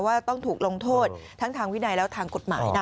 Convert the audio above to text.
ว่าต้องถูกลงโทษทั้งทางวินัยและทางกฎหมายนะ